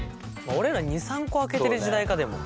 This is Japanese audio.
俺ら２３個開けてる時代かでも。